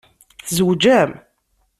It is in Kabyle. Tzewǧem?